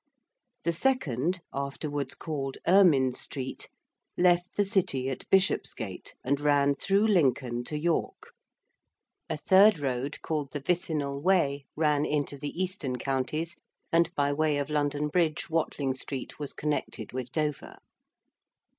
The second, afterwards called Ermyn Street, left the City at Bishopsgate and ran through Lincoln to York, a third road called the Vicinal Way ran into the eastern counties, and by way of London Bridge Watling Street was connected with Dover.